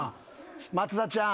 松田ちゃん。